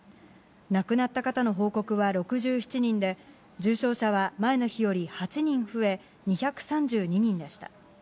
亡くなった方の報告は６７人で、重症者は前の日より８人増え、２３２人でした。